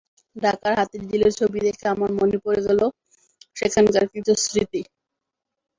ঢাকার হাতির ঝিলের ছবি দেখে আমার মনে পড়ে গেল সেখানকার কিছু স্মৃতি।